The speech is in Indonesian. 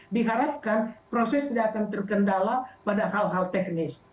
diharapkan proses tidak akan terkendala pada hal hal teknis